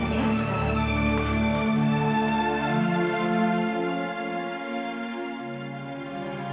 kita ke tempat kita nanti ya